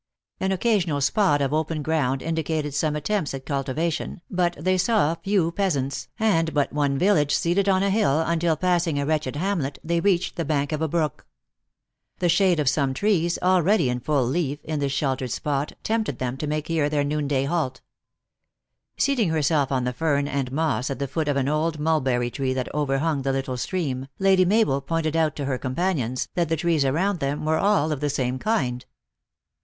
An occasional spot of open ground indicated some attempts at culti vation, but they saw few peasants, and but one village seated on a hill, until passing a wretched hamlet, they reach the bank of a brook. The shade of some trees, already in full leaf, in this sheltered spot, tempted them to make here their noonday halt. Seating herself on the fern and moss at the foot of an old mulberry tree that overhung the little stream, Lady Mabel pointed out to her companions, that the trees around them were all of the same kind.